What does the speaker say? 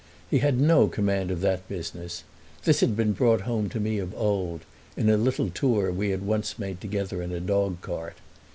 He had no command of that business: this had been brought home to me of old in a little tour we had once made together in a dogcart.